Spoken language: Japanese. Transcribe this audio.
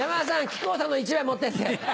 木久扇さんの１枚持ってって。